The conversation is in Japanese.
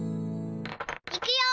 いくよ！